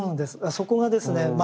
そこがですねまあ